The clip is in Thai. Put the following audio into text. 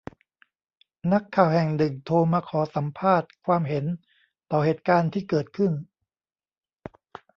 นักข่าวแห่งหนึ่งโทรมาขอสัมภาษณ์ความเห็นต่อเหตุการณ์ที่เกิดขึ้น